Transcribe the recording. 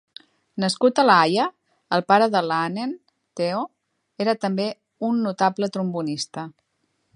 Nascut a La Haia, el pare de Laanen, Theo, era també un notable trombonista.